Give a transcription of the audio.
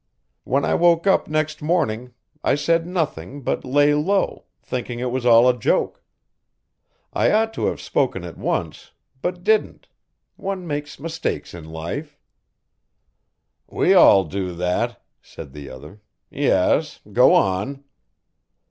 "When I woke up next morning I said nothing but lay low, thinking it was all a joke. I ought to have spoken at once, but didn't, one makes mistakes in life " "We all do that," said the other; "yes go on."